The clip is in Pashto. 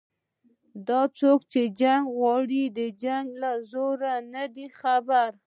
دا څوک چې جنګ غواړي د جنګ له زوره نه دي خبر